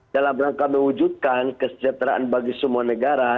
dalam rangka mewujudkan kesejahteraan bagi semua negara